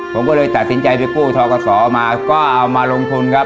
ผมก็เลยตัดสินใจเป็นผู้ท้องกับศนาก็เอามาลงทุนครับ